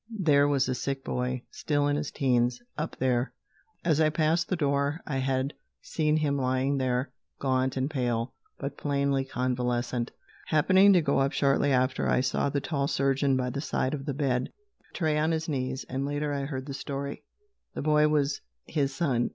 There was a sick boy, still in his teens, up there. As I passed the door I had seen him lying there, gaunt and pale, but plainly convalescent. Happening to go up shortly after, I saw the tall surgeon by the side of the bed, the tray on his knees. And later I heard the story: The boy was his son.